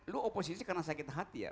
lo oposisi karena sakit hati ya